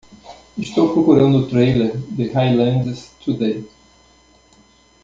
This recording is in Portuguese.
Estou procurando o trailer de Highlands Today